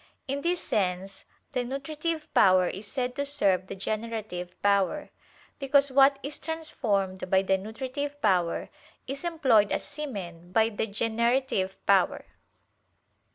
In this sense the nutritive power is said to serve the generative power: because what is transformed by the nutritive power is employed as semen by the generative power.